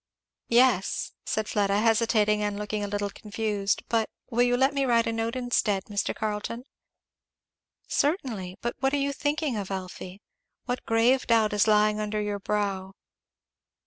"Yes " said Fleda, hesitating and looking a little confused, "but will you let me write a note instead, Mr. Carleton?" "Certainly! but what are you thinking of, Elfie? what grave doubt is lying under your brow?"